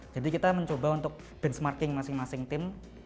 jadi kita mencoba untuk benchmarking masing masing tim